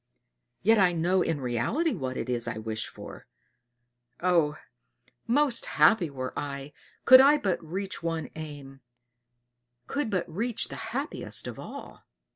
Yet, I know in reality what it is I wish for. Oh! most happy were I, could I but reach one aim could but reach the happiest of all!"